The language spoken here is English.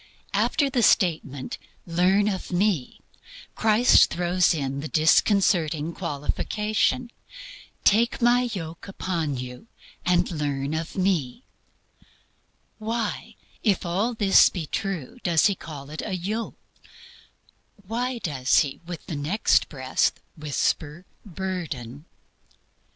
After the statement, "Learn of Me," Christ throws in the disconcerting qualification: "Take my yoke upon you, and learn of Me." Why, if all this be true, does He call it a yoke? Why, while professing to give Rest, does He with the next breath whisper "burden"?